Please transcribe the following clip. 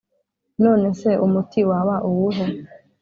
None se umuti waba uwuhe